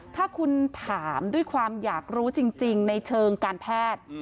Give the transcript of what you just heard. ถ้าคุณถามด้วยความอยากรู้จริงในเชิงการแพทย์